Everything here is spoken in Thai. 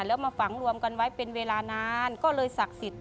แล้วมาฝังรวมกันไว้เป็นเวลานานก็เลยศักดิ์สิทธิ